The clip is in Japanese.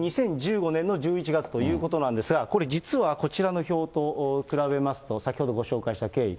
これ２０１５年の１１月ということなんですが、これ、実はこちらの表と比べますと、先ほどご紹介した経緯。